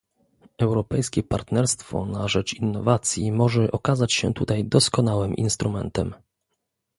Europejskie partnerstwo na rzecz innowacji może okazać się tutaj doskonałym instrumentem